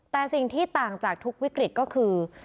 แต่สิ่งที่ต่างจากทุกวิกฤตก็คือ